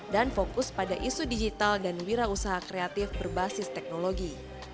dan fokus pada isu digital dan wirausaha kreatif berbasis teknologi